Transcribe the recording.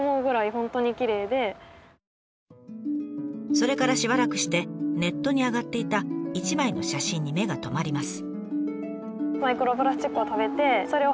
それからしばらくしてネットにあがっていた一枚の写真に目が留まります。